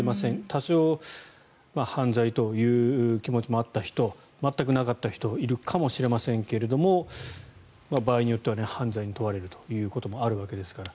多少犯罪という気持ちもあった人全くなかった人いるかもしれませんが場合によっては犯罪に問われるということもあるわけですから。